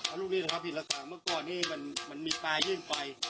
อันนี้แหละครับหินระคังเมื่อก่อนนี้มันมีปลายยื่นไป